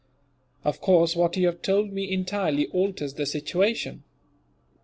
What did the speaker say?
Of course, what you have told me entirely alters the situation.